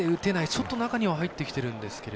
ちょっと中には入ってきてるんですが。